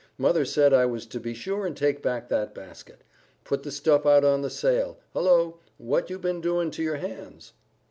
Mother said I was to be sure and take back that basket. Put the stuff out on the sail. Hullo, what you been doing to your hands?"